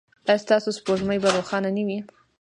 ایا ستاسو سپوږمۍ به روښانه نه وي؟